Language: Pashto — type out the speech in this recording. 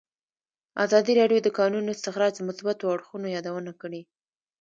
ازادي راډیو د د کانونو استخراج د مثبتو اړخونو یادونه کړې.